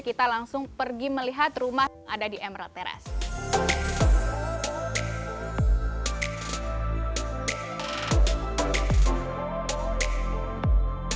kita langsung pergi melihat rumah yang ada di emerald terrace